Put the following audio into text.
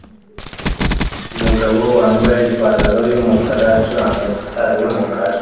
Umugabo wambaye ipantaro yumukara acuranga gitari yumukara